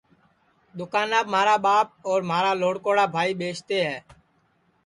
دؔوکاناپ مھارا ٻاپ اور مھارا لھوڑکوڑا بھائی ٻیستے ہے